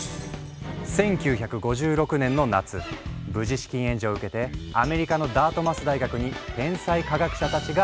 １９５６年の夏無事資金援助を受けてアメリカのダートマス大学に天才科学者たちが集結。